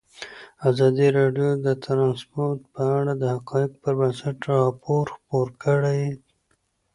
ازادي راډیو د ترانسپورټ په اړه د حقایقو پر بنسټ راپور خپور کړی.